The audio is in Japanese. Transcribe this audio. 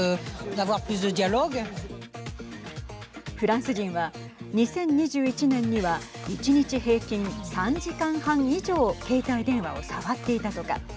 フランス人は２０２１年には１日平均３時間半以上携帯電話を触っていたとか。